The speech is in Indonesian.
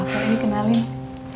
apa ini kenalin